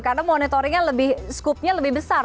karena monitoringnya lebih scoopnya lebih besar